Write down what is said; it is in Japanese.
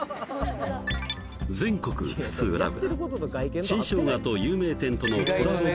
全国津々浦々新生姜と有名店とのコラボ